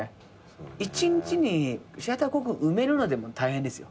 １日にシアターコクーン埋めるのでも大変ですよ。